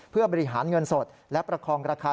เพื่อบริหารเงินสดและประคองราคา